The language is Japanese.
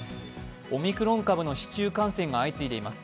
オミクロン株の市中感染が相次いでいます。